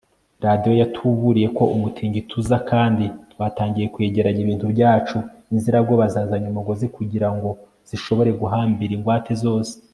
Radiyo yatuburiye ko umutingito uza kandi twatangiye kwegeranya ibintu byacu Inzirabwoba zazanye umugozi kugirango zishobore guhambira ingwate zose